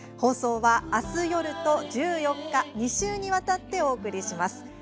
明日夜と１４日、２週にわたってお送りします。